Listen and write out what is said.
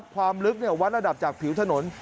ความลึกวัดระดับจากผิวถนน